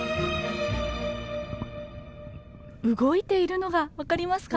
動いているのが分かりますか？